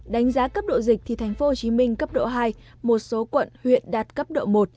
đánh giá cấp độ dịch thì tp hcm cấp độ hai một số quận huyện đạt cấp độ một